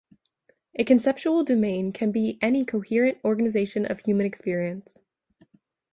A conceptual domain can be any coherent organization of human experience.